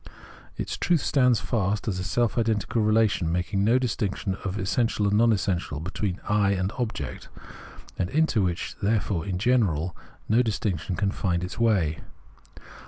Its truth stands fast as a self identical relation making no distinction of essential and non essential, between I and object, and into which, therefore, in general, no distinction can find its way.